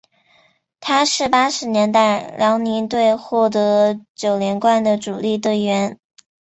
他是八十年代辽宁队获得九连冠的主力队员。